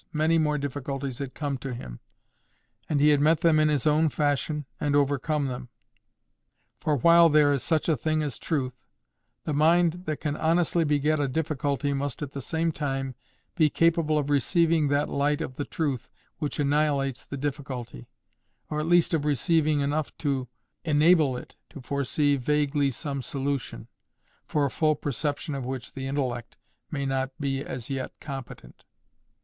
Many more difficulties had come to him, and he had met them in his own fashion and overcome them. For while there is such a thing as truth, the mind that can honestly beget a difficulty must at the same time be capable of receiving that light of the truth which annihilates the difficulty, or at least of receiving enough to enable it to foresee vaguely some solution, for a full perception of which the intellect may not be as yet competent.